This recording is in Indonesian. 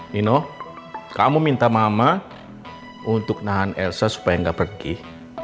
karena aku tidak sanggup melihat elsa menderita